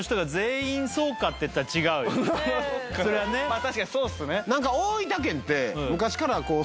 まあ確かにそうですね。